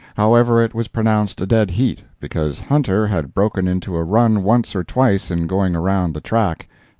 However, it was pronounced a dead heat, because "Hunter" had broken into a run once or twice in going around the track.